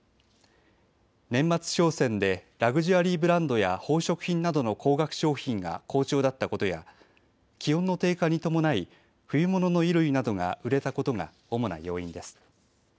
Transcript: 年末商戦でラグジュアリーブランドや宝飾品などの高額商品が好調だったことや気温の低下に伴い冬物の衣類などが売れたことが主な要因です。